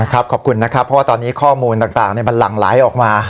ขอบคุณนะครับเพราะว่าตอนนี้ข้อมูลต่างมันหลั่งไหลออกมา